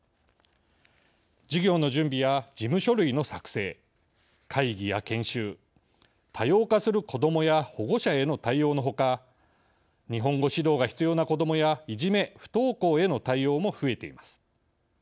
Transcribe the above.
授業の準備や事務書類の作成会議や研修、多様化する子どもや保護者への対応のほか日本語指導が必要な子どもやいじめ・不登校への対応も増えています。